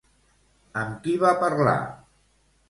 Amb qui va parlar?